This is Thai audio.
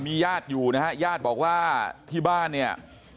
ญาติอยู่นะฮะญาติบอกว่าที่บ้านเนี่ย